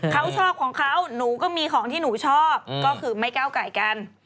เขาชอบของเขาหนูก็มีของที่หนูชอบก็คือไม่ก้าวไก่กัน